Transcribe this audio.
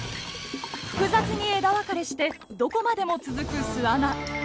複雑に枝分かれしてどこまでも続く巣穴。